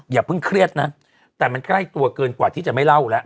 อย่าเพิ่งเครียดนะแต่มันใกล้ตัวเกินกว่าที่จะไม่เล่าแล้ว